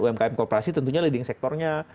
umkm korporasi tentunya leading sektornya